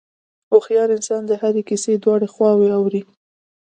هوښیار انسان د هرې کیسې دواړه خواوې اوري.